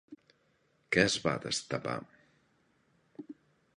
Què es va destapar?